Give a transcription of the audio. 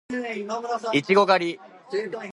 いちご狩り